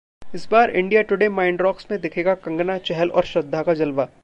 इस बार India today 'MindRocks' में दिखेगा कंगना-चहल और श्रद्धा का जलवा